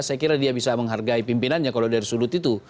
saya kira dia bisa menghargai pimpinannya kalau dari sudut itu